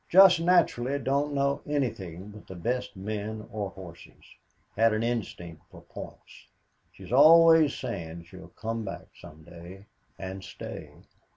Just naturally don't know anything but the best men or horses. Has an instinct for points. She is always saying she'll come back some day and stay.